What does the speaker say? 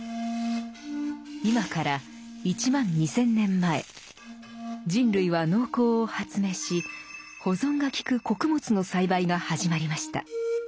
今から１万２，０００年前人類は農耕を発明し保存が利く穀物の栽培が始まりました。